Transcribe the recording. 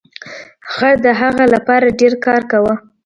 خر د هغه لپاره ډیر کار کاوه.